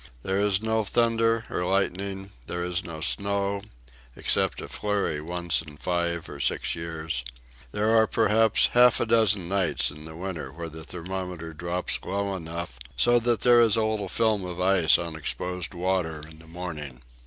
There is no thunder or lightning; there is no snow, except a flurry once in five or six years; there are perhaps half a dozen nights in the winter when the thermometer drops low enough so that there is a little film of ice on exposed water in the morning.